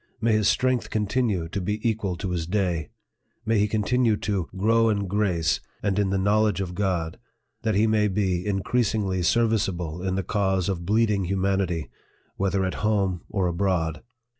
May his strength continue to be equal to his day ! May he continue to " grow in grace, and in the knowledge of God," that he may be increasingly ser viceable in the cause of bleeding humanity, whether at home or abroad